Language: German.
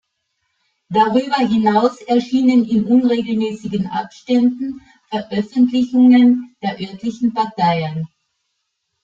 Darüber hinaus erscheinen in unregelmäßigen Abständen Veröffentlichungen der örtlichen Parteien.